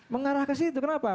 mengarah ke situ kenapa